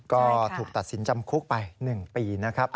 ก็ถูกตัดสินจำคุกไป๑ปีนะครับ